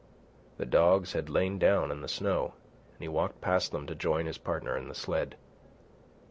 The dogs had lain down in the snow, and he walked past them to join his partner in the sled.